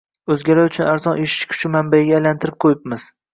O‘zgalar uchun arzon ishchi kuchi manbaiga aylantirib qo‘yibmiz.